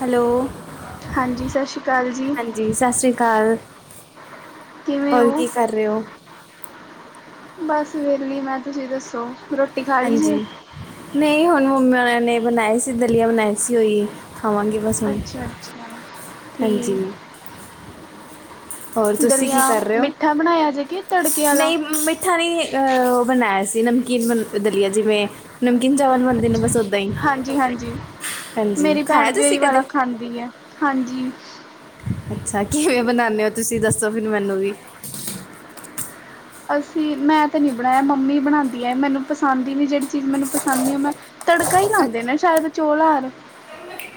Hello ਹਾਂਜੀ ਸਤਿ ਸ਼੍ਰੀ ਅਕਾਲ ਜੀ ਹਾਂਜੀ ਸਤਿ ਸ਼੍ਰੀ ਅਕਾਲ ਕਿਵੇਂ ਹੋਰ ਹੋ? ਕੀ ਕਰ ਰਹੇ ਹੋ ਬਸ ਵੇਹਲੀ ਮੈਂ, ਤੁਸੀਂ ਦੱਸੋ, ਰੋਟੀ ਖਾ ਲਈ ਜੇ ਹਾਂਜੀ ਨਹੀਂ ਹੁਣ ਮੰਮਾ ਨੇ ਬਣਾਏ ਸੀ, ਦਲੀਆ ਬਣਾਏ ਸੀ, ਉਹੀ ਖਾਵਾਂਗੇ। ਬਸ ਹੁਣ, ਅੱਛਾ ਅੱਛਾ। ਹਾਂਜੀ। ਠੀਕ ਹੋਰ ਤੁਸੀਂ ਕੀ ਦਲੀਆ ਕਰ ਰਹੇ ਹੋ, ਮਿੱਠਾ ਬਣਾਇਆ ਜੇ ਕਿ ਤੜਕੇ ਆਲਾ? ਨਹੀਂ ਮੱਮੀ ਮੀਠਾ ਨਹੀ, ਅਹ ਉਹ ਬਣਾਇਆ ਸੀ ਨਮਕੀਨ ਦਲੀਆ, ਜਿਵੇਂ ਨਮਕੀਨ ਚਾਵਲ ਬਣਦੇ ਨੇ ਬਸ ਓਦਾਂ ਹੀ ਹਾਂਜੀ, ਹਾਂਜੀ ਹਾਂਜੀ ਮੇਰੀ ਭੈਣ ਖਾਇਆ ਵੀ ਉਹੀ ਤੁਸੀਂ ਵਾਲਾ ਕਦੇ ਖਾਂਦੀ ਹੈ, ਹਾਂਜੀ। ਅੱਛਾ, ਕਿਵੇਂ ਬਣਾਉਦੇ ਹੋ ਤੁਸੀਂ ਦੱਸੋ, ਫਿਰ ਮੈਨੂੰ ਵੀ ਅਸੀਂ, ਮੈਂ ਤਾਂ ਨਹੀਂ ਬਣਾਇਆ ਮੰਮੀ ਬਣਾਉਂਦੀ ਹੈ, ਮੈਨੂੰ ਪਸੰਦ ਹੀ ਨਹੀਂ, ਜਿਹੜੀ ਚੀਜ਼ ਮੈਨੂੰ ਪਸੰਦ ਨਹੀਂ ਉਹ ਮੈਂ ਤੜਕਾ ਹੀ ਲਾਉਂਦੇ ਨੇ, ਸ਼ਾਇਦ ਚੋਲਾਂ ਆਰ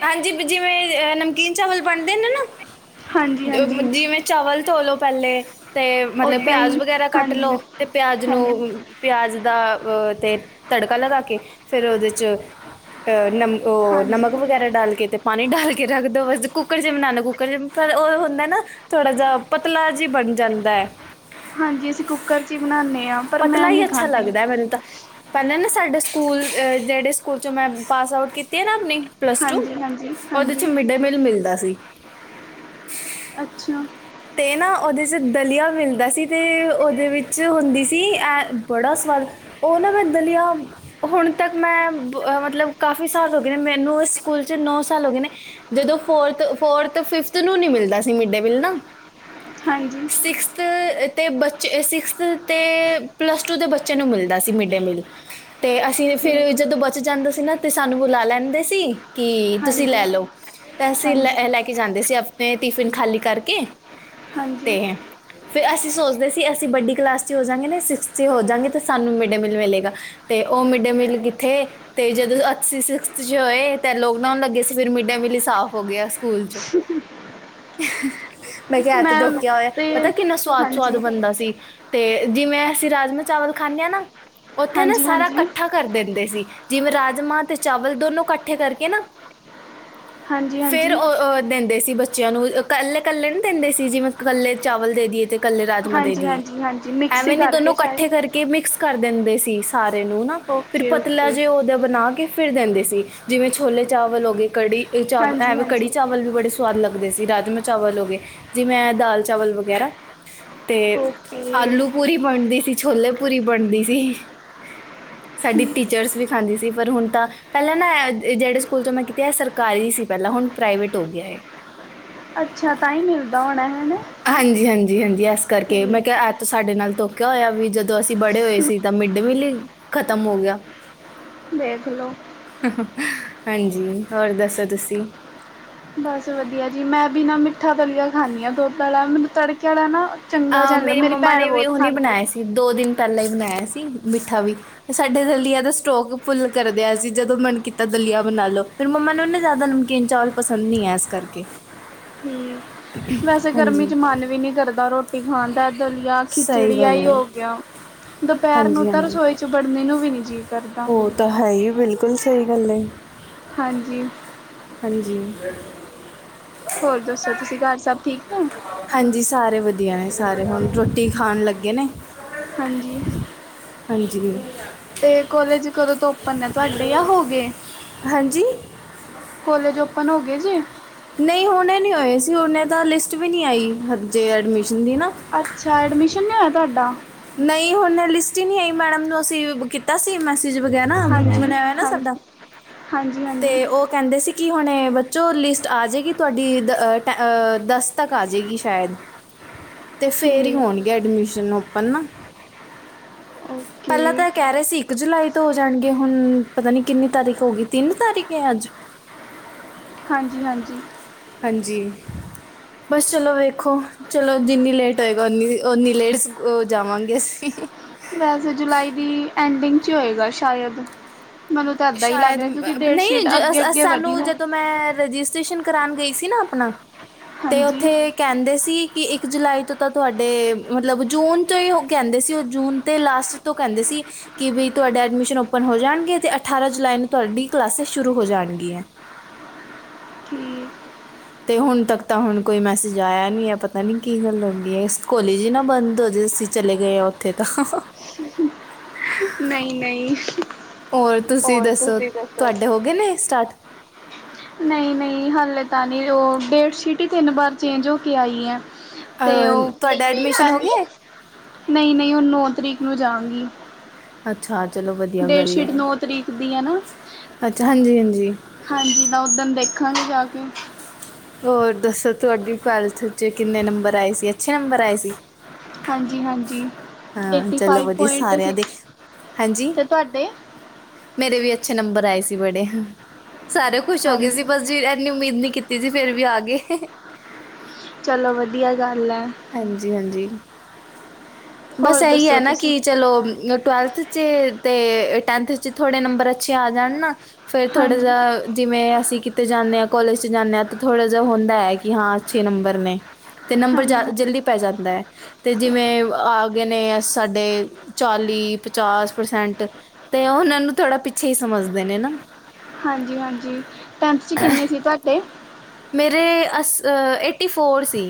ਹਾਂਜੀ, ਜਿਵੇਂ ਨਮਕੀਨ ਚਾਵਲ ਬਣਦੇ ਨੇ ਨਾ, ਹਾਂਜੀ ਹਾਂਜੀ ਜਿਵੇਂ ਚਾਵਲ ਧੋਲੋ ਪਹਿਲੇ, ਤੇ ਮਤਲਬ ਓਦਾਂ ਪਿਆਜ ਹੀ ਵਗੈਰਾ ਕੱਟ ਲੋੋ, ਹਾਂਜੀ ਤੇ ਪਿਆਜ ਨੂੰ ਹਾਂਜੀ ਪਿਆਜ਼ ਦਾ ਤੇ ਤੜਕਾ ਲਗਾ ਕੇ, ਫਿਰ ਉਹਦੇ 'ਚ ਨਮ ਔ ਹਾਂਜੀ। ਨਮਕ ਵਗੈਰਾ ਡਾਲ ਕੇ ਅਤੇ ਪਾਣੀ ਡਾਲ ਕੇ ਰੱਖ ਦਿਉ, ਬਸ ਕੁੱਕਰ 'ਚ ਬਣਾਉਾਨਣਾ ਕੁੱਕਰ 'ਚ ਪਰ ਉਹ ਹੁੰਦਾ ਨਾ ਥੋੜ੍ਹਾ ਜਿਹਾ ਪਤਲਾ ਜਹੀ ਬਣ ਜਾਂਦਾ ਹੈ। ਹਾਂਜੀ ਅਸੀਂ ਕੁੱਕਰ ਚ ਹੀ ਬਣਾਉਦੇ ਹਾਂ, ਪਰ ਪਤਲਾ ਮੈਂ ਹੀ ਨਹੀਂ ਅੱਛਾ ਖਾਂਦੀ। ਲੱਗਦਾ ਹੈ ਤਾਂ ਪਹਿਲਾਂ ਨਾ ਸਾਡੇ ਸਕੂਲ, ਜਿਹੜੇ ਸਕੂਲ 'ਚੋਂ ਮੈਂ ਪਾਸ ਆਊਟ ਕੀਤੀ ਹੈ ਨਾ ਆਪਣੀ ਪਲੱਸ ਟੂ, ਹਾਂਜੀ ਹਾਂਜੀ ਉਹਦੇ ਚ, ਹਾਂਜੀ ਮਿਡ ਡੇ ਮੀਲ ਮਿਲਦਾ ਸੀ। ਅੱਛਾ। ਤੇ ਨਾ ਉਹਦੇ 'ਚ ਦਲੀਆ ਮਿਲਦਾ ਸੀ, ਤੇ ਉਹਦੇ ਵਿੱਚ ਹੁੰਦੀ ਸੀ, ਐ ਬੜਾ ਸਵਾਦ ਉਹ ਨਾ ਪਿਰ ਦਲੀਆ ਹੁਣ ਤੱਕ ਮੈਂ, ਮਤਲਬ ਕਾਫੀ ਸਾਲ ਹੋ ਗਏ ਨੇ ਮੈਨੂੰ ਉਸ ਸਕੂਲ ਨੌ ਸਾਲ ਹੋ ਗਏ ਨੇ, ਜਦੋਂ ਫੋਰਥ ਫੋਰਥ ਫਿਫਥ ਨੂੰ ਨੀ ਮਿਲਦਾ ਸੀ, ਮਿਡ ਡੇ ਮੀਲ ਨਾ ਹਾਂਜੀ। ਸਿਕਸਥ ਅਤੇ ਬੱਚੇ, ਸਿਕਸਥ ਅਤੇ ਪਲੱਸ ਟੂ ਦੇ ਬੱਚਿਆਂ ਨੂੰ ਮਿਲਦਾ ਸੀ ਮਿਡ ਡੇ ਮੀਲ ਤੇ ਅਸੀਂ ਠੀਕ ਫਿਰ ਜਦੋਂ ਬਚ ਜਾਂਦਾ ਸੀ ਨਾ, ਤੇ ਸਾਨੂੰ ਬੁਲਾ ਲੈਂਦੇ ਸੀ। ਤੇ ਤੁਸੀਂ ਹਾਂਜੀ ਲੈ ਲਓ, ਅਸੀਂ ਹਾਂਜੀ ਲੈ ਲੈ ਕੇ ਜਾਂਦੇ ਸੀ ਆਪਣੇ ਟਿਫਿਨ ਖਾਲੀ ਕਰਕੇ ਹਾਂਜੀ। ਫਿਰ ਅਸੀਂ ਸੋਚਦੇ ਸੀ, ਅਸੀਂ ਵੱਡੀ ਕਲਾਸ ਚ ਹੋ ਜਾਂਗੇ, ਨਾ ਸਿਕਸ ਚ ਹੋ ਜਾਂਗੇ, ਤੇ ਸਾਨੂੰ ਮਿਡ ਡੇ ਮੀਲ ਮਿਲੇਗਾ। ਤੇ ਉਹ ਮਿਡ ਡੇ ਮੀਲ ਕਿੱਥੇ, ਤੇ ਜਦੋਂ ਅੱਸੀ ਸਿਕਸਥ ਚ ਹੋਏ ਤੇ ਲੋਕਡਾਊਨ ਲੱਗੇ ਸੀ, ਫਿਰ ਮਿਡ ਡੇ ਮੀਲ ਹੀ ਸਾਫ਼ ਹੋ ਗਿਆ ਸਕੂਲ ਚ ਮੈਂ ਕਿਹਾ ਤੇ ਧੋ ਖਿਆ ਹੋਇਆ, ਤੇ ਪਤਾ ਕਿੰਨਾ ਸਆਦ ਹਾਂਜੀ ਸੁਆਦ ਬਣਦਾ ਸੀ। ਤੇ ਜਿਵੇਂ ਅਸੀਂ ਰਾਜਮਾਂ ਚਾਵਲ ਖਾਂਦੇ ਹਾਂ, ਨਾ ਉੱਥੇ ਨਾ ਹਾਂਜੀ ਹਾਂਜੀ ਸਾਰਾ ਹਾਂਜੀ ਇਕੱਠਾ ਕਰ ਦਿੰਦੇ ਸੀ, ਜਿਵੇਂ ਰਾਜਮਾਂ ਤੇ ਚਾਵਲ ਦੋਨੋ ਇਕੱਠੇ ਕਰਕੇ ਨਾ ਫਿਰ ਹਾਂਜੀ ਔ ਹੋਰ ਦਿੰਦੇ ਸੀ ਬੱਚਿਆਂ ਨੂੰ ਇਕੱਲੇ, ਇਕੱਲੇ ਨੀ ਦਿੰਦੇ ਸੀ ਜਿਵੇਂ ਇਕੱਲੇ ਚਾਵਲ ਦੇ ਦੀਈਏ ਤੇ ਇਕੱਲੇ ਰਾਜਮਾ ਦੇ ਹਾਂਜੀ ਦੀਏ, ਹਾਂਜੀ ਹਾਂਜੀ ਮਿਕਸੀ ਐਵੇਂ ਨਹੀਂ ਦੋਨੋ ਕਰਕੇ ਸ਼ਾਇਦ ਇਕੱਠੇ ਕਰਕੇ ਕੇ ਮਿਕਸ ਕਰ ਦਿੰਦੇ ਸੀ ਸਾਰੇ ਨੂੰ ਨਾ, ਫਿਰ ਓਕੇ ਪਤਲਾ ਓਕੇ ਜੇ ਉਹਦਾ ਬਣਾ ਕੇ ਫਿਰ ਦਿੰਦੇ ਸੀ। ਜਿਵੇਂ ਛੋਲੇ ਚਾਵਲ ਹੋ ਗਏ, ਕੜੀ ਚਾਵ ਹਾਂਜੀ ਐਵੇਂ ਹਾਂਜੀ ਕੜੀ ਚਾਵਲ ਵੀ ਬੜੇ ਸਵਾਦ ਲੱਗਦੇ ਸੀ, ਰਾਜਮਾ ਚਾਵਲ ਹੋ ਗਏ, ਜਿਵੇਂ ਦਾਲ ਚਾਵਲ ਵਗੈਰਾ ਤੇ ਓਕੇ ਆਲੂ ਪੂਰੀ ਬਣਦੀ ਸੀ, ਛੋਲੇ ਪੂਰੀ ਬਣਦੀ ਸੀ। ਸਾਡੀ ਟੀਚਰਸ ਵੀ ਖਾਂਦੀ ਸੀ, ਪਰ ਹੁਣ ਤਾਂ, ਪਹਿਲਾਂ ਨਾ ਤੇ ਜਿਹੜੇ ਸਕੂਲ ਮੈਂ ਕੀਤੀ ਇਹ ਸਰਕਾਰੀ ਸੀ ਪਹਿਲਾਂ, ਹੁਣ ਪ੍ਰਾਈਵੇਟ ਹੋ ਗਿਆ ਇਹ ਅੱਛਾ, ਤਾਂ ਹੀ ਮਿਲਦਾ ਹੋਣਾ ਹੈਨਾ, ਹਾਂਜੀ, ਹਾਂਜੀ, ਹਾਂਜੀ ਇਸ ਕਰਕੇ, ਮੈਂ ਕਿਹਾ ਐਤ ਸਾਡੇ ਨਾਲ ਧੋਖਿਆ ਹੋਇਆ ਵੀ, ਜਦੋਂ ਅਸੀਂ ਬੜੇ ਹੋਏ ਸੀ। ਤਾ ਮਿਡ ਡੇ ਮੀਲ ਹੀ ਖ਼ਤਮ ਹੋ ਗਿਆ। ਦੇਖ ਲੋ ਹਾਂਜੀ, ਹੋਰ ਦੱਸੋ ਤੁਸੀਂ? ਬਸ ਵਧੀਆ ਜੀ। ਮੈਂ ਵੀ ਬਿਨਾ ਮਿੱਠਾ ਦਲੀਆ ਖਾਂਦੀ ਹਾਂ ਦੁਧ ਆਲਾ ਮੈਨੂੰ ਤੜਕੇਆ ਨਾ ਚੰਗਾ ਅਹ ਜਿਹਾ ਨੀ ਲੱਗਦਾ ਮੇਰੀ ਮੰਮਾ ਭੈਣ ਨੇ ਵੀ ਬਹੁਤ ਹੁਣ ਹੀ ਖਾਂਦੀ ਬਣਾਇਆ ਸੀ, ਦੋ ਦਿਨ ਪਹਿਲਾਂ ਹੀ ਬਣਾਇਆ ਸੀ, ਮਿੱਠਾ ਵੀ। ਸਾਡੇ ਦਲੀਆ ਦਾ ਸਟੋਕ ਫੁੱਲ ਕਰਦੇ ਆ ਅਸੀ। ਜਦੋਂ ਮਨ ਕੀਤਾ ਦਲੀਆ ਬਣਾ ਲਓ। ਫਿਰ ਮੰਮਾ ਨੂੰ ਨਾ ਜ਼ਿਆਦਾ ਨਮਕੀਨ ਚਾਵਲ ਪਸੰਦ ਨਹੀਂ ਹੈ ਇਸ ਕਰਕੇ। ਹਮਮ! ਵੈਸੇ ਗਰਮੀ ਹਾਂਜੀ ਚ ਮਨ ਵੀ ਨੀ ਕਰਦਾ ਰੋਟੀ- ਖਾਂਦਾ ਦਲੀਆ, ਸਹੀ ਖਿਚੜੀ ਗੱਲ ਏਹੀ ਹੈ ਹੋ ਗਿਆ। ਦੁਪਹਿਰ ਨੂੰ ਹਾਂਜੀ ਤਾਂ ਹਾਂਜੀ ਰਸੋਈ ਚ ਬੜਨ ਨੂੰ ਵੀ ਨਹੀਂ ਜੀ ਉਹ ਤਾਂ ਹੈ ਹੀ ਹੈ। ਬਿਲਕੁਲ ਸਹੀ ਗੱਲ ਹੈ। ਹਾਂਜੀ ਹਾਂਜੀ ਹੋਰ ਦੱਸੋ ਤੁਸੀਂ ਘਰ ਸਭ ਠੀਕ ਹੈ? ਹਾਂਜੀ, ਸਾਰੇ ਵਧੀਆ ਨੇ ਸਾਰੇ, ਹੁਣ ਰੋਟੀ ਖਾਣ ਲੱਗੇ ਨੇ। ਹਾਂਜੀ ਹਾਂਜੀ ਤੇ ਕੋਲੇਜ ਕਦੋਂ ਤੋਂ ਓਪਨ ਹੈ ਤੁਹਾਡੇ, ਜਾਂ ਹੋ ਗਏ? ਹਾਂਜੀ ਕੋਲੇਜ ਓਪਨ ਹੋ ਗਏ ਜੇ? ਨਹੀਂ ਹੁਣੇ ਨਹੀਂ ਹੋਏ ਸੀ। ਹੁਣੇ ਤਾਂ ਲਿਸਟ ਵੀ ਨਹੀਂ ਆਈ ਹਜੇ ਐਡਮਿਸ਼ਨ ਦੀ ਨਾ ਅੱਛਾ! ਐਡਮਿਸ਼ਨ ਨਹੀਂ ਹੋਇਆ ਤੁਹਾਡਾ? ਨਹੀਂ ਹੁਣ ਲਿਸਟ ਹੀ ਨਹੀਂ ਆਈ ਮੈਡਮ ਨੂੰ ਅਸੀਂ ਕੀਤਾ ਸੀ ਮੈਸੇਜ ਵਗੈਰਾ ਗਰੁੱਪ ਹਾਂਜੀ ਬਣਿਆ ਹੋਇਆ ਨਾ ਹਾਂਜੀ ਸਾਡਾ। ਹਾਂਜੀ ਹਾਂਜੀ ਤੇ ਉਹ ਉਹ ਕਹਿੰਦੇ ਸੀ ਕਿ ਹੁਣੇ ਬੱਚੋ ਲਿਸਟ ਆ ਜਾਵੇਗੀ ਤੁਹਾਡੀ ਦ ਟੈ ਦਸ ਤੱਕ ਆ ਜਾਵੇਗੀ ਸ਼ਾਇਦ ਤੇ ਫੇਰ ਹੀ ਠੀਕ ਹੋਣਗੇ ਐਡਮਿਸ਼ਨ ਓਪਨ ਨਾ ਪਹਿਲਾਂ ਓਕੇ ਤਾਂ ਕਹਿ ਰਹੇ ਸੀ ਇੱਕ ਜੁਲਾਈ ਤੋਂ ਹੋ ਜਾਣਗੇ ਹੁਣ ਪਤਾ ਨੀ ਕਿੰਨੀ ਤਾਰੀਖ ਹੋ ਗਈ ਤਿੰਨ ਤਾਰੀਖ ਹੈ ਅੱਜ? ਹਾਂਜੀ- ਹਾਂਜੀ। ਹਾਂਜੀ, ਬਸ ਚਲੋ ਵੇਖੋ। ਚਲੋ ਜਿੰਨੀ ਲੇਟ ਹੋਏਗਾ ਉਓਨੀ ਉਓਨੀ ਲੇਟ ਜਾਵਾਂਗੇ ਅਸੀਂ। ਵੈਸੇ ਜੁਲਾਈ ਦੀ ਐਂਡਿੰਗ ਚ ਹੋਏਗਾ ਸ਼ਾਇਦ। ਮੈਨੂੰ ਤਾਂ ਇੱਦਾਂ ਹੀ ਲੱਗ ਸ਼ਾਇਦ ਰਿਹਾ ਕਿਉਂਕਿ ਅਮ, ਡੇਟਸ਼ੀਟ ਨਹੀਂ ਜ- ਅਸ- ਅੱਗੇ ਅਸ- -ਅੱਗੇ ਵਧੀ ਸਾਨੂੰ ਨਾ ਜਦੋਂ ਮੈਂ ਰਜਿਸਟ੍ਰੇਸ਼ਨ ਕਰਉਣ ਗਈ ਸੀ ਨਾ ਆਪਣਾ, ਤੇ ਹਾਂਜੀ ਉੱਥੇ ਕਹਿੰਦੇ ਸੀ ਕਿ ਇੱਕ ਜੁਲਾਈ ਤੋਂ ਤਾਂ ਤੁਹਾਡੇ, ਮਤਲਬ ਜੂਨ ਤੋਂ ਹੀ ਉਹ ਕਹਿੰਦੇ ਸੀ ਉਹ ਜੂਨ ਦੇ ਲਾਸਟ ਤੋਂ ਕਹਿੰਦੇ ਸੀ ਕਿ ਬਈ ਤੁਹਾਡਾ ਐਡਮਿਸ਼ਨ ਓਪਨ ਹੋ ਜਾਣਗੇ ਤੇ ਅਠਾਰਾਂ ਜੁਲਾਈ ਨੂੰ ਤੁਹਾਡੀ ਕਲਾਸਿਸ ਸ਼ੁਰੂ ਹੋ ਜਾਣੀਆਂ। ਠੀਕ ਤੇ ਹੁਣ ਤੱਕ ਤਾਂ ਹੁਣ ਕੋਈ ਮੈਸੇਜ ਆਇਆ ਨੀ ਹੈ ਪਤਾ ਨੀ ਕੀ ਗੱਲ ਹੋ ਗਈ ਹੈ ਕੋਲੇਜ ਹੀ ਨਾ ਬੰਦ ਹੋ ਜਾ ਚਲੇ ਗਏ ਆ ਉੱਥੇ ਤਾਂ ਨਹੀਂ -ਨਹੀਂ। ਹੋਰ ਤੁਸੀਂ ਦੱਸੋ? ਤੁਹਾਡੇ ਹੋ ਗਏ ਨੇ ਸਟਾਟ? ਨਹੀਂ -ਨਹੀਂ, ਹੱਲੇ ਤਾਂ ਨਹੀਂ। ਉਹ ਡੇਟ ਸ਼ੀਟ ਹੀ ਤਿੰਨ ਵਾਰ ਚੇਂਜ ਹੋ ਕੇ ਆਈ ਹੈ। ਤੇ ਉਹ ਅਹ, ਤੁਹਾਡਾ ਐਡਮਿਸ਼ਨ ਕ ਹੋ ਗਿਆ ਹੈ? ਨਹੀਂ- ਨਹੀਂ, ਉਹ ਨੌ ਤਰੀਕ ਨੂੰ ਜਾਵਗੀ। ਅੱਛਾ! ਚਲੋ ਵਧੀਆ ਗੱਲ ਹੈ। ਨੌ ਤਰੀਕ ਦੀ ਹੈ ਨਾ ਅੱਛਾ, ਹਾਂਜੀ -ਹਾਂਜੀ। ਹਾਂਜੀ ਤਾਂ ਓਦਣ ਦੇਖਾਂਗੇ ਜਾ ਕੇ। ਹੋਰ ਦੱਸੋ ਤੁਹਾਡੀ ਟਵੈਲਥ 'ਚ ਕਿੰਨੇ ਨੰਬਰ ਆਏ ਸੀ? ਅੱਛੇ ਨੰਬਰ ਆਏ ਸੀ? ਹਾਂਜੀ -ਹਾਂਜੀ। ਹਾਂ, ਏਟੀ ਚਲੋ ਫਾਈਵ ਵਧੀਆ ਪੁਆਇੰਟ ਸਾਰਿਆਂ ਸਿਕਸ ਦੇ, ਹਾਂਜੀ! ਤੇ ਤੁਹਾਡੇ ਮੇਰੇ ਵੀ ਅੱਛੇ ਨੰਬਰ ਆਏ ਸੀ ਬੜੇ। ਸਾਰੇ ਖੁਸ਼ ਹੋ ਗਏ ਸੀ ਹਾਂਜੀ ਬਸ ਜੀ ਇਨੀ ਉਮੀਦ ਨਹੀਂ ਕੀਤੀ ਸੀ ਫੇਰ ਵੀ ਆ ਗਏ। ਚਲੋ ਵਧੀਆ ਗੱਲ ਹੈ। ਹਾਂਜੀ ਹਾਂਜੀ ਬਸ ਹੋਰ ਇਹੀ ਦੱਸੋ ਹੈ। ਨਾ ਤੁਸੀਂ ਕਿ ਚਲੋ ਟਵੈਲਥ ਤੇ ਟੈਂਨਥ ਚ ਥੋੜੇ ਨੰਬਰ ਅੱਛੇ ਆ ਜਾਣ ਨਾ ਫਿਰ ਥੋੜਾ ਹਾਂਜੀ ਜਿ ਜਿਵੇਂ ਅਸੀਂ ਕਿਤੇ ਜਾਂਦੇ ਹਾਂ ਕੋਲੇਜ ਚ ਜਾਂਦੇ ਹਾਂ। ਤਾਂ ਥੋੜ੍ਹਾ ਜਿਹਾ ਹੁੰਦਾ ਹੈ ਕਿ ਹਾਂ ਅੱਛੇ ਨੰਬਰ ਨੇ। ਤੇ ਨੰਬਰ ਹਾਂਜੀ ਜਲਦੀ ਪੈ ਜਾਂਦਾ ਹੈ। ਅਤੇ ਜਿਵੇਂ ਆ ਗਏ ਨੇ ਸਾਡੇ ਚਾਲੀ- ਪਚਾਸ ਪ੍ਰਸੈਂਟ ਤੇ ਉਹ ਉਹਨਾਂ ਨੂੰ ਥੋੜ੍ਹਾ ਪਿੱਛੇ ਹੀ ਸਮਝਦੇ ਨੇ ਨਾ। ਹਾਂਜੀ ਹਾਂਜੀ। ਟੈਂਥ 'ਚ ਕਿੰਨੇ ਸੀ ਤੁਹਾਡੇ ਮੇਰੇ ਅਸ ਏਟੀ ਫੋਰ ਸੀ।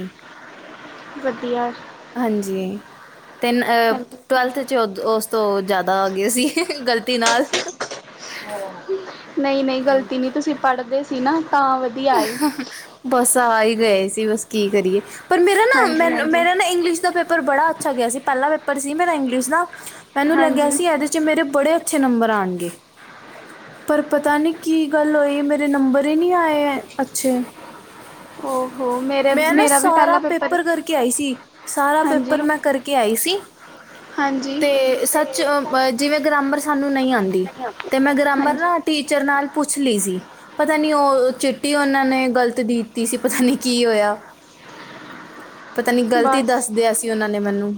ਵਧੀਆ ਹਾਂਜੀ ਤਨ ਹਾਂਜੀ ਟਵੈਲਥ ਉਸ ਤੋਂ ਜਿਆਦਾ ਆ ਗਏ ਸੀ ਗ਼ਲਤੀ ਨਾਲ। ਨਹੀਂ-ਨਹੀਂ ਹਾਂਜੀ ਗ਼ਲਤੀ ਨਹੀਂ। ਤੁਸੀਂ ਪੜ੍ਹਦੇ ਸੀ ਨਾ ਤਾਂ ਵਧੀਆ। ਆਏ ਬਸ ਆ ਹੀ ਗਏ ਸੀ, ਬਸ ਕੀ ਕਰੀਏ ਪਰ ਮੇਰਾ ਨਾ। ਹਾਂਜੀ ਮੈਨੂੰ ਹਾਂਜੀ ਮੇਰਾ ਨਾ ਇੰਗਲਿਸ਼ ਦਾ ਪੇਪਰ ਬੜਾ ਅੱਛਾ ਗਿਆ ਸੀ। ਪਹਿਲਾ ਪੇਪਰ ਸੀ ਮੇਰਾ ਇੰਗਲਿਸ਼ ਦਾ ਮੈਨੂੰ ਲੱਗਿਆ ਹਾਂਜੀ ਸੀ। ਇਹਦੇ ਚ ਮੇਰੇ ਬੜੇ ਅੱਛੇ ਨੰਬਰ ਆਉਣਗੇ। ਪਰ ਪਤਾ ਨਹੀਂ ਕੀ ਗੱਲ ਹੋਈ, ਮੇਰੇ ਨੰਬਰ ਨਹੀਂ ਆਏ। ਅੱਛਾ ਓਹੋ ਮੇਰੇ ਮੈਂ ਨਾ ਮੇਰਾ ਵੀ ਸਾਰਾ ਪਹਿਲਾ ਪੇਪਰ ਕਰਕੇ ਆਈ ਸੀ। ਸਾਰਾ ਹਾਂਜੀ ਪੇਪਰ ਮੈਂ ਕਰਕੇ ਆਈ ਸੀ। ਹਾਂਜੀ ਤੇ ਸੱਚ ਜਿਵੇਂ ਗ੍ਰਮਰ ਸਾਨੂੰ ਨਹੀਂ ਆਉਂਦੀ। ਤੇ ਮੈਂ ਗਰਾਮਰ ਹਾਂਜੀ ਨਾ ਟੀਚਰ ਨਾਲ ਪੁੱਛ ਲਈ ਸੀ। ਪਤਾ ਨੀ ਉਹ ਚਿੱ ਰਟੀ ਉਹਨਾਂ ਨੇ ਗ਼ਲਤ ਦੇ ਤੀ ਸੀ। ਪਤਾ ਨੀ ਕੀ ਹੋਇਆ। ਪਤਾ ਨੀ ਗ਼ਲਤੀ ਬਸ ਦੱਸ ਦਿਆਂ ਸੀ। ਉਹਨਾਂ ਨੇ ਮੈਨੂੰ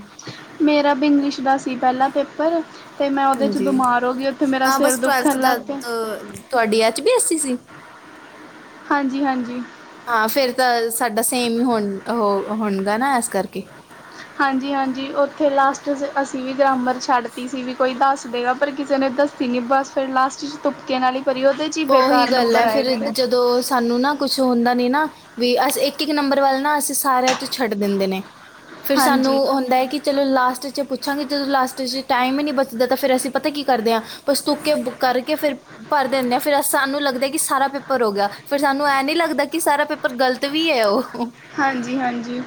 ਮੇਰਾ ਵੀ ਇੰਗਲਿਸ਼ ਦਾ ਸੀ ਪਹਿਲਾ ਪੇਪਰ ਤੇ ਮੈਂ ਉਹਦੇ ਚ ਹਾਂਜੀ ਬਿਮਾਰ ਹੋ ਗਈ। ਉੱਥੇ ਮੇਰਾ ਹਾਂ ਸਿਰ ਬਸ ਦੁੱਖਣ ਦਾ ਲੱਗ ਪਿਆ। ਤ- ਤੁਹਾਡੀ ਅੱਚ-ਬੀ- ਐਸੀ-ਸੀ। ਹਾਂਜੀ ਹਾਂਜੀ ਹਾਂ ਫੇਰ ਤਾਂ ਸਾਡਾ ਸੇਮ ਹੀ ਹੋਣ-ਹੋਣਗਾ ਨਾ ਇਸ ਕਰਕੇ ਹਾਂਜੀ ਹਾਂਜੀ। ਉੱਥੇ ਲਾਸਟ ਅਸੀਂ ਵੀ ਗਰਾਮਰ ਛੱਡ ਤ ਸੀ‌ ਵੀ ਕੋਈ ਦੱਸ ਦੇਗਾ, ਪਰ ਕਿਸੇ ਨੇ ਦੱਸ ਅਤੇ ਬਸ ਫਿਰ ਲਾਸਟ 'ਚ ਤੁੁਪਕੇ ਨਾਲ ਕਰੀ। ਉਹਦੇ 'ਚ ਹੀ ਉਹੀ ਬੇਕਾਰ ਗੱਲ ਹੈ। ਨੰਬਰ ਆਏ ਫਿਰ ਮੇਰੇ ਜਦੋਂ ਸਾਨੂੰ ਨਾ ਕੁਛ ਹੁੰਦਾ ਨੀ ਨਾ। ਵੀ ਅਸੀ ਇੱਕ-ਇੱਕ ਨੰਬਰ ਵੱਲ ਨਾ ਅਸੀਂ ਸਾਰਿਆਂ ਚ ਛੱਡ ਦਿੰਦੇ ਨੇ, ਫੇਰ ਸਾਨੂੰ ਹਾਂਜੀ ਹੁੰਦਾ ਹੈ। ਕੀ ਚਲੋ ਲਾਸਟ 'ਚ ਪੁੱਛਾਂਗੇ। ਜਦੋਂ ਲਾਸਟ 'ਚ ਟਾਈਮ ਹੀ ਨਹੀਂ ਬਚਦਾ। ਤਾਂ ਫਿਰ ਅਸੀਂ ਪਤਾ ਕੀ ਕਰਦੇ ਹਾਂ ਬਸ ਤੂਕੇ ਕਰਕੇ ਫਿਰ ਭਰ ਦਿੰਦੇ ਆ। ਫਿਰ ਸਾਨੂੰ ਲੱਗਦਾ ਕਿ ਸਾਰਾ ਪੇਪਰ ਹੋ ਗਿਆ। ਫੇਰ ਸਾਨੂੰ ਇਹ ਨੀ ਲੱਗਦਾ ਕਿ, ਸਾਰਾ ਪੇਪਰ ਗ਼ਲਤ ਵੀ ਹੋਇਆ ਏ। ਹਾਂਜੀ ਹਾਂਜੀ।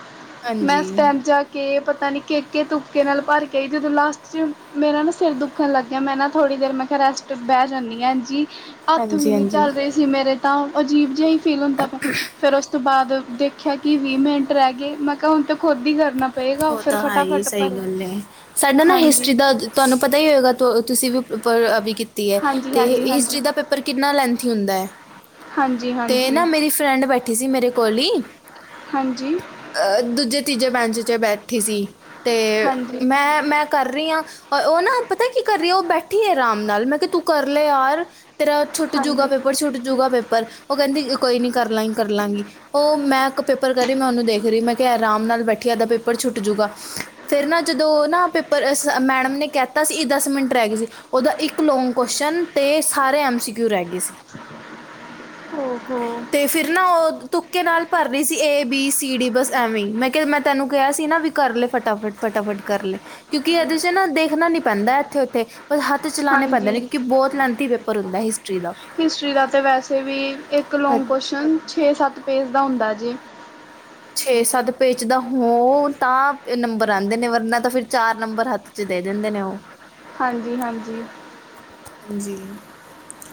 ਬਸ ਪੁਹੰਚਾ ਕੇ ਪਤਾ ਨੀ ਕੇਕੇ ਤੁਕੇ ਨਾਲ ਭਰ ਕੇ ਆਈ ਜਦੋਂ ਲਾਸਟ ਚ, ਮੇਰਾ ਨਾ ਸਿਰ ਦੁੱਖਣ ਲੱਗ ਗਿਆ। ਮੈਂ ਨਾ ਥੋੜ੍ਹੀ ਦੇਰ ਮੈਂ ਰੈਸਟ ਬਹਿ ਜਾਂਦੀ ਹਾਂ। ਜੀ ਹੱਥ ਵੀ ਹਾਂਜੀ ਨਹੀਂ ਹਾਂਜੀ ਚੱਲ ਰਹੇ ਸੀ ਮੇਰੇ ਤਾਂ। ਅਜੀਬ ਜੀ ਹੀ ਫੀਲਗ ਹੁੰਦਾ ਪ, ਫਿਰ ਉਸ ਤੋਂ ਬਾਅਦ ਦੇਖ ਦੇਖਿਆ ਕਿ ਵੀਹ ਮਿੰਟ ਰਹਿ ਗਏ, ਮੈਂ ਕਿਹਾ ਹੁਣ ਤੇ ਖੁਦ ਹੀ ਕਰਨਾ ਪਏਗਾ ਹੋ ਫਿਰ ਤਾਂ ਹੈ ਹੀ, ਫਟਾਫਟ ਸਹੀ ਭਰਿਆ ਗੱਲ ਏ, ਸਾਡਾ ਨਾ ਹਾਂਜੀ ਹਿਸਟਰੀ ਦਾ ਤੁਹਾਨੂੰ ਪਤਾ ਹੀ ਹੋਏਗਾ, ਤੁਸੀਂ ਪੜ੍ਹਾਈ ਵੀ ਕੀਤੀ ਹੈ। ਹਾਂਜੀ ਤੇ ਹਾਂਜੀ ਹਾਂਜੀ ਹਿਸਟਰੀ ਦਾ ਪੇਪਰ ਕਿੰਨਾ ਲੈਂਥੀ ਹੁੰਦਾ ਹੈ। ਹਾਂਜੀ ਤੇ ਹਾਂਜੀ ਨਾ ਮੇਰੀ ਫਰੈਂਡ ਬੈਠੀ ਸੀ। ਮੇਰੇ ਕੋਲ ਹੀ ਹਾਂਜੀ ਦੂਜੇ-ਤੀਜੇ ਬੈਂਚ 'ਚ ਬੈਠੀ ਸੀ, ਅਤੇ ਹਾਂਜੀ ਮੈਂ-ਮੈਂ ਕਰ ਰਹੀ ਹਾਂ। ਆ ਉਹ ਨਾ ਪਤਾ ਕੀ ਕਰ ਰੀ, ਉਹ ਬੈਠੀ ਆ ਆਰਾਮ ਨਾਲ। ਮੈਂ ਕਿਹਾ ਤੂੰ ਕਰ ਲੈ ਯਾਰ ਤੇਰਾ ਛੁੱਟ ਜੂਗਾ ਹਾਂਜੀ ਪੇਪਰ, ਛੁੱਟ ਜੂਗਾ ਪੇਪਰ, ਉਹ ਕਹਿੰਦੀ ਕੋਈ ਨੀ ਕਰ ਲਾਂਗੀ, ਕਰ ਲਾਂਗੀ ਉਹ ਮੈਂ ਇੱਕ ਪੇਪਰ ਕਹਿ ਰਹੀ। ਮੈਂ ਉਹਨੂੰ ਦੇਖ ਰਹੀ, ਮੈਂ ਕਿਹਾ ਆਰਾਮ ਨਾਲ ਬਠੀ ਇਹਦਾ ਪੇਪਰ ਛੁੱਟ ਜੂਗਾ। ਫੇਰ ਨਾ, ਜਦੋਂ ਨਾ ਪੇਪਰ ਮੈਡਮ ਨੇ ਕਹਿਤਾ ਸੀ। ਇਹ ਦਸ ਮਿੰਟ ਰਹਿ ਗਏ ਸੀ। ਉਹਦਾ ਇੱਕ ਲੌਂਗ ਕੁਅਸ਼ਚਨ, ਤੇ ਸਾਰੇ ਐਮ ਸੀ ਕਿਊ ਰਹਿ ਗਏ ਸੀ। ਹੋ- ਹੋ ਤੇ ਫਿਰ ਨਾ ਉਹ ਤੁੱਕੇ ਨਾਲ ਭਰ ਰਹੀ ਸੀ, ਏ, ਬੀ, ਸੀ, ਡੀ, ਬਸ ਐਵੇ ਹੀ ਮੈਂ ਕਿਹਾ ਮੈਂ ਤੈਨੂੰ ਕਿਆ ਸੀ ਨਾ ਵੀ ਕਰ ਲੇ, ਫਟਾਫਟ- ਫਟਾਫਟ ਕਰ ਲੇ, ਕਿਉਂਕਿ ਇਹਦੇ ਚ ਨਾ ਦੇਖਣਾ ਨੀ ਪੈਂਦਾ ਇੱਥੇ ਉੱਥੇ ਬ ਹੱਥ ਚਲਾਉ ਪੈਂਦਾ ਹਾਂਜੀ ਨੇ। ਕਿਉਂਕਿ ਬਹੁਤ ਲੈਂਥੀ ਪੇਪਰ ਹੁੰਦਾ ਹਿਸਟਰੀ ਦਾ। ਹਿਸਟਰੀ ਦਾ ਤਾਂ ਵੈਸੇ ਵੀ, ਇੱਕ ਲੌਂਗ ਕੁਅਸ਼ਚਨ ਛੇ ਸੱਤ ਪੇਜ ਦਾ ਹੁੰਦਾ ਜੀ। ਛੇ ਸੱਤ ਪੇਚ ਦਾ ਹੋ ਤਾਂ ਨੰਬਰ ਆਂਦੇ ਨੇ, ਵਰਨਾ ਤਾਂ ਫਿਰ ਚਾਰ ਨੰਬਰ ਹੱਥ ਚ ਦੇ ਦਿੰਦੇ ਨੇ ਉਹ। ਹਾਂਜੀ- ਹਾਂਜੀ। ਹਾਂਜੀ,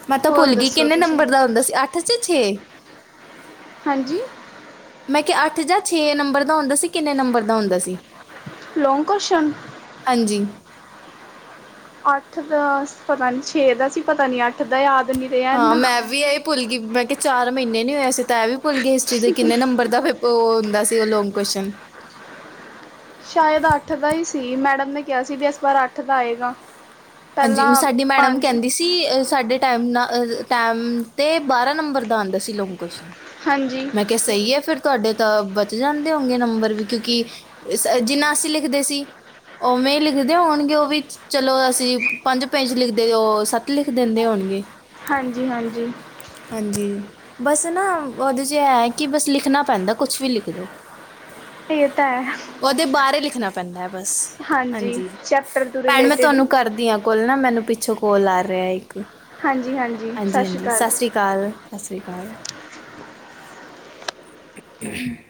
ਮੈਂ ਤਾਂ ਹੋਰ ਭੁੱਲ ਗਈ, ਦੱਸੋ ਕਿੰਨੇ ਤੁਸੀਂ ਨੰਬਰ ਦਾ ਹੁੰਦਾ ਸੀ, ਅੱਠ ਚ ਛੇ ਹਾਂਜੀ, ਮੈਂ ਕਿਹਾ ਅੱਠ ਜਾਂ ਛੇ ਨੰਬਰ ਦਾ ਹੁੰਦਾ ਸੀ, ਕਿੰਨੇ ਨੰਬਰ ਦਾ ਹੁੰਦਾ ਸੀ। ਲੌਂਗ ਕੁਅਸ਼ਚਨ ਹਾਂਜੀ, ਅੱਠ ਦਾ, ਪਤਾ ਨੀ ਛੇ ਦਾ ਸੀ, ਪਤਾ ਨੀ ਅੱਠ ਦਾ ਯਾਦ ਨਹੀਂ ਰੇ ਹਾਂ, ਮੈਂ ਵੀ ਇਹ ਭੁੱਲ ਗੀ, ਮੈਂ ਕਿਹਾ ਚਾਰ ਮਹੀਨੇ ਨੀ ਹੋਏ, ਅਸੀ ਤਾਂ ਇਹ ਵੀ ਭੁੱਲਗੇ, ਹਿਸਟਰੀ ਦੇ ਕਿੰਨੇ ਨੰਬਰ ਦਾ ਉਹ ਹੁੰਦਾ ਸੀ ਉਹ ਲੌਂਗ ਕੁਅਸ਼ਚਨ। ਸ਼ਾਇਦ ਅੱਠ ਦਾ ਹੀ ਸੀ, ਮੈਡਮ ਨੇ ਕਿਹਾ ਸੀ ਵੀ ਇਸ ਵਾਰ ਅੱਠ ਦਾ ਆਏਗਾ। ਹਾਂਜੀ, ਪਹਿਲਾਂ ਸਾਡੀ ਮੈਡਮ ਪੰਜ ਕਹਿੰਦੀ ਸੀ ਕਹਿੰਦੀ ਅ ਸਾਡੇ ਟੈਮ ਨਾਲ ਟੈਮ ਤੇ ਬਾਰਾਂ ਨੰਬਰ ਦਾ ਆਂਦਾ ਸੀ, ਲੌਂਗ ਕੁਅਸ਼ਚਨ। ਹਾਂਜੀ, ਮੈਂ ਕਿਹਾ ਸਹੀ ਐ, ਫਿਰ ਤੁਹਾਡੇ ਤਾਂ ਬਚ ਜਾਂਦੇ ਹੋਂਗੇ ਨੰਬਰ ਵੀ, ਕਿਉਂਕਿ ਜਿੰਨਾ ਅਸੀਂ ਲਿਖਦੇ ਸੀ, ਉਵੇਂ ਹੀ ਲਿਖਦੇ ਹੋਣਗੇ ਉਹ ਵੀ, ਚਲੋ ਅਸੀਂ ਪੰਜ ਪੇਜ ਲਿਖਦੇ ਓ, ਉਹ ਸੱਤ ਲਿਖ ਦਿੰਦੇ ਹੋਣਗੇ। ਹਾਂਜੀ-ਹਾਂਜੀ। ਹਾਂਜੀ, ਬਸ ਨਾ ਉਹਦੇ ਚ ਐਹ ਕਿ ਬਸ ਲਿਖਣਾ ਪੈਂਦਾ, ਕੁਛ ਵੀ ਲਿਖ ਦੋ। [unintelligible] ਇਹ ਤਾਂ ਐ। ਉਹਦੇ ਬਾਰੇ ਲਿਖਣਾ ਪੈਂਦਾ ਐ ਬਸ, ਹਾਂਜੀ ਚੈਪਟਰ ਤੋਂ ਭੈਣ ਮੈਂ ਰਿਲੇਟਿਡ ਤੁਹਾਨੂੰ ਕਰਦੀ ਆਂ ਕੋਲ ਨਾ ਮੈਨੂੰ ਪਿੱਛੋਂ ਕੋਲ ਆ ਰਿਹਾ ਇੱਕ, ਹਾਂਜੀ ਹਾਂਜੀ- ਸਤਿ ਸ਼੍ਰੀ ਹਾਂਜੀ ਅਕਾਲ ਜੀ ਸਸ ਰੀ ਕਾਲ, ਸਸ ਰੀ ਕਾਲ। [unintelligible]